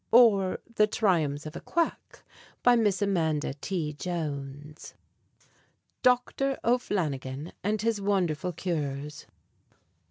Or the triumphs of a quack, by Miss Amanda T. Jones. DOCHTHER O'FLANNIGAN AND HIS WONDHERFUL CURES.